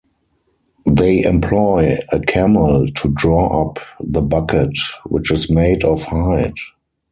They employ a camel to draw up the bucket, which is made of hide.